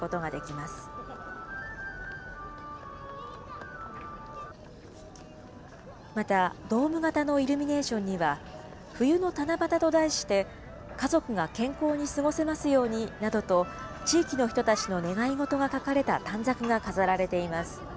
また、ドーム型のイルミネーションには、冬の七夕と題して、家族が健康に過ごせますようになどと、地域の人たちの願い事が書かれた短冊が飾られています。